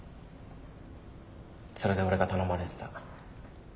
それで俺が頼まれてた。